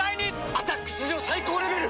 「アタック」史上最高レベル！